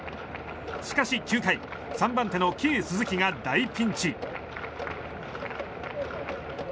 しかし、９回３番手のＫ‐鈴木が大ピンチ。